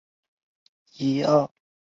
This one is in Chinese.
此地俄语地名来源俄国海军上将。